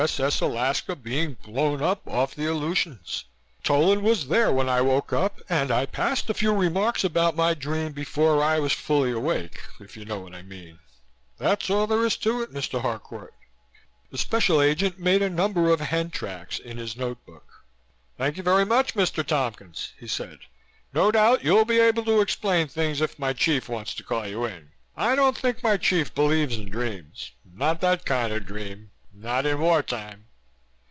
S.S. Alaska being blown up off the Aleutians. Tolan was there when I woke up and I passed a few remarks about my dream before I was fully awake, if you know what I mean. That's all there is to it, Mr. Harcourt." The Special Agent made a number of hen tracks in his notebook. "Thank you very much, Mr. Tompkins," he said. "No doubt you'll be able to explain things if my chief wants to call you in. I don't think my chief believes in dreams. Not that kind of dream. Not in war time."